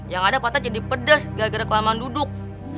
yang ada patah jadi pedes gara gara kelemahan duduk